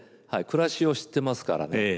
暮らしを知ってますからね。